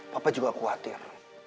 papa juga khawatir